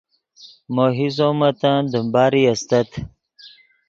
مو حصو متن دیم باری استت